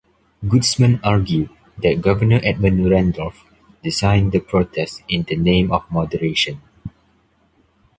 Gutzman argued that Governor Edmund Randolph designed the protest in the name of moderation.